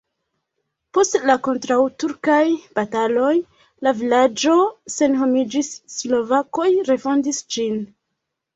Post la kontraŭturkaj bataloj la vilaĝo senhomiĝis, slovakoj refondis ĝin.